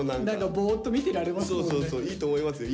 ぼっと見てられますもんね。